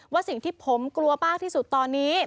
สิ่งที่ผมกลัวมากที่สุดตอนนี้